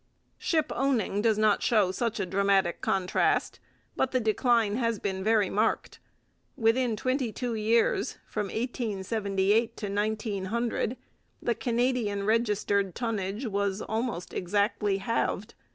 Shipowning does not show such a dramatic contrast, but the decline has been very marked. Within twenty two years, from 1878 to 1900, the Canadian registered tonnage was almost exactly halved.